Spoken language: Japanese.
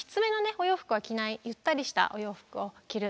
お洋服は着ないゆったりしたお洋服を着る。